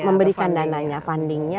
memberikan dananya fundingnya